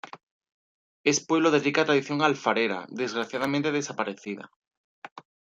Es pueblo de rica tradición alfarera, desgraciadamente desaparecida.